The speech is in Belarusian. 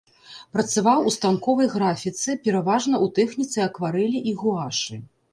Працаваў у станковай графіцы пераважна ў тэхніцы акварэлі і гуашы.